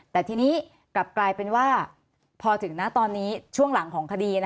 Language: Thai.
แต่ทีนี้กลับกลายเป็นว่าพอถึงตอนนี้ช่วงหลังของคดี